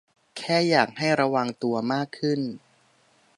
แค่อยากให้ระวังตัวมากขึ้น